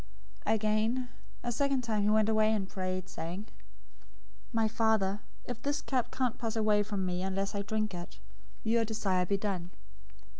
026:042 Again, a second time he went away, and prayed, saying, "My Father, if this cup can't pass away from me unless I drink it, your desire be done."